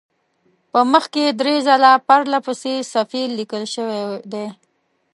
په مخ کې درې ځله پرله پسې صفیل لیکل شوی دی.